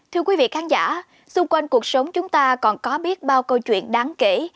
thưa quý vị khán giả xung quanh cuộc sống chúng ta còn có biết bao câu chuyện đáng kể